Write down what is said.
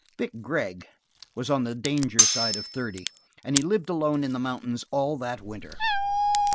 Vic Gregg was on the danger side of thirty and he lived alone in the mountains all that winter.